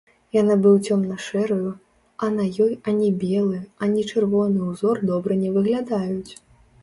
Я набыў цёмна-шэрую, а на ёй ані белы, ані чырвоны ўзор добра не выглядаюць.